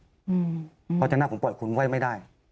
เพราะฉะนั้นผมปล่อยคุณไว้ไม่ได้